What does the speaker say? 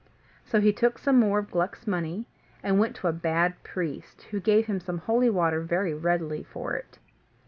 So he took some more of Gluck's money, and went to a bad priest who gave him some holy water very readily for it.